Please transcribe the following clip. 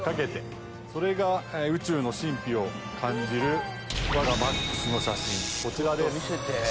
それが宇宙の神秘を感じる我がＭＡＸの写真こちらです。